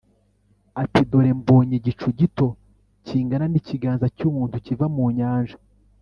ati “Dore mbonye igicu gito kingana n’ikiganza cy’umuntu kiva mu nyanja”